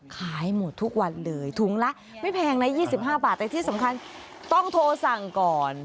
ขายหมดทุกวันเลยถุงละไม่แพงนะ๒๕บาทแต่ที่สำคัญต้องโทรสั่งก่อน